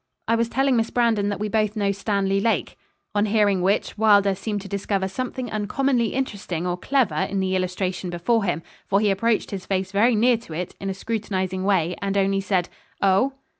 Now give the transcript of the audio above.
'I was telling Miss Brandon that we both know Stanley Lake.' On hearing which, Wylder seemed to discover something uncommonly interesting or clever in the illustration before him; for he approached his face very near to it, in a scrutinising way, and only said, 'Oh?'